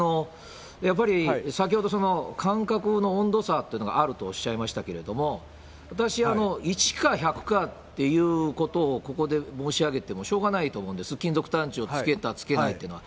やっぱり先ほど、感覚の温度差っていうのがあるとおっしゃいましたけれども、私、１か１００かということをここで申し上げてもしょうがないと思うんです、金属探知機をつけたつけないっていうのは。